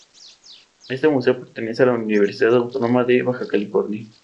Este museo pertenece a la Universidad Autónoma de Baja California.